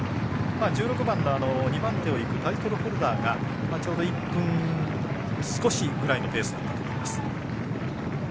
１６番の２番手をいくタイトルホルダーがちょうど１分少しぐらいのペースだったと思います。